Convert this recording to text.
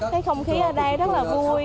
cái không khí ở đây rất là vui